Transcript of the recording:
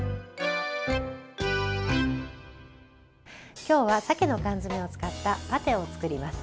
今日は鮭の缶詰を使ったパテを作ります。